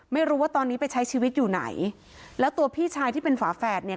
ไม่รู้ว่าตอนนี้ไปใช้ชีวิตอยู่ไหนแล้วตัวพี่ชายที่เป็นฝาแฝดเนี่ย